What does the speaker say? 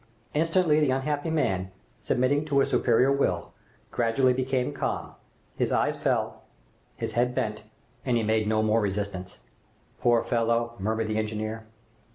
Immediately the unhappy man, submitting to a superior will, gradually became calm, his eyes fell, his head bent, and he made no more resistance. "Poor fellow!" murmured the engineer.